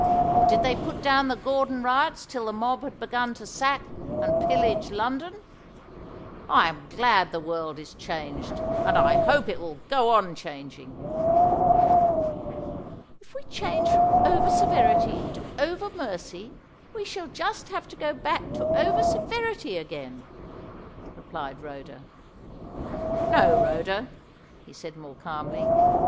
or did they put down the Gordon riots till the mob had begun to sack and pillage London? I am glad the world is changed, and I hope it will go on changing." "If we change from over severity to over mercy, we shall just have to go back to over severity again," replied Rhoda. "No, Rhoda," he said more calmly.